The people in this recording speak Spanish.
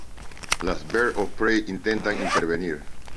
Las "Birds of Prey" intentan intervenir.